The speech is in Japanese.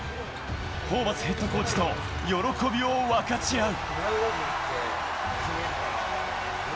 ホーバスヘッドコーチと、喜びを分かち合う。